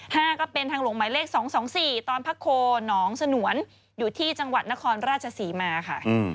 ห้าก็เป็นทางหลวงหมายเลขสองสองสี่ตอนพระโคหนองสนวนอยู่ที่จังหวัดนครราชศรีมาค่ะ